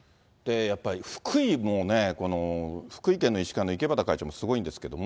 やっぱり、福井もね、この福井県の医師会の池端会長もすごいんですけども。